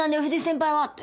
藤井先輩は！」